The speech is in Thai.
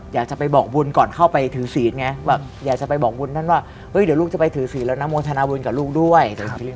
อยากจะไปบอกวุนท่านว่าเฮ้ยเดี๋ยวลูกจะไปถือศีรแล้วนะมวทนวุลกับลูกด้วย